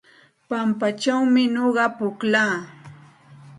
Pampachawmi nuqa pukllaa.